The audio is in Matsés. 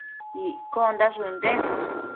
Iccondash ënden